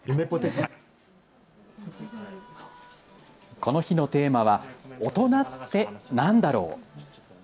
この日のテーマは大人ってなんだろう。